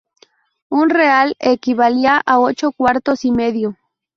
Un real equivalía a ocho cuartos y medio.